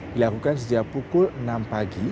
dilakukan sejak pukul enam pagi